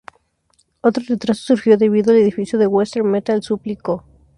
Otro retraso surgió debido al edificio del Western Metal Supply Co.